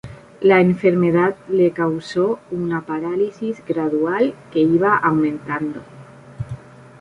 La enfermedad le causó una parálisis gradual que iba aumentando.